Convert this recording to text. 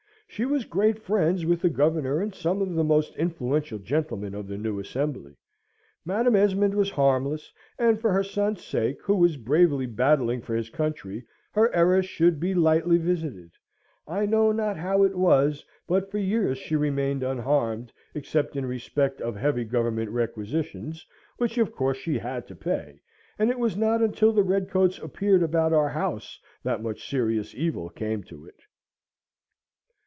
She was great friends with the Governor and some of the most influential gentlemen of the new Assembly: Madam Esmond was harmless, and for her son's sake, who was bravely battling for his country, her errors should be lightly visited: I know not how it was, but for years she remained unharmed, except in respect of heavy Government requisitions, which of course she had to pay, and it was not until the redcoats appeared about our house, that much serious evil came to it.